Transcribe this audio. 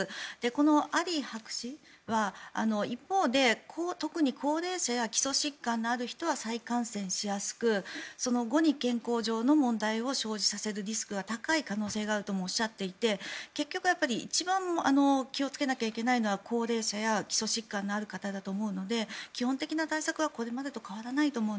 このアリー博士は一方で特に高齢者や基礎疾患のある人は再感染しづらく後に健康上の問題を生じさせるリスクが高い可能性があるともおっしゃっていて結局、一番気をつけなければいけないのは高齢者や基礎疾患のある方だと思うので基本的な対策はこれまでと変わらないと。